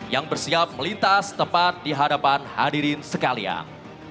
yang bersiap melintas tepat di hadapan hadirin sekalian